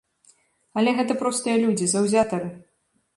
Але гэта простыя людзі, заўзятары.